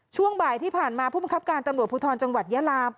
ช่วงบ่ายที่ผ่านมาผู้บังคับการตำรวจภูทรจังหวัดยาลา